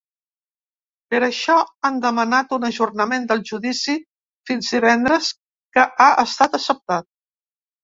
Per això han demanat un ajornament del judici fins divendres, que ha estat acceptat.